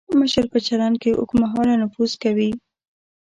مشر په چلند کې اوږد مهاله نفوذ کوي.